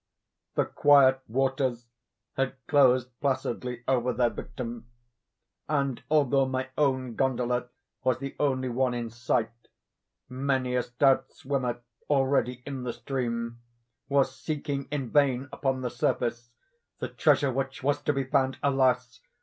The quiet waters had closed placidly over their victim; and, although my own gondola was the only one in sight, many a stout swimmer, already in the stream, was seeking in vain upon the surface, the treasure which was to be found, alas!